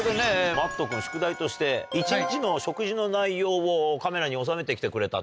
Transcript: Ｍａｔｔ君宿題として一日の食事の内容をカメラに収めてきてくれたと。